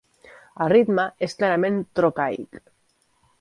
El ritme és clarament trocaic.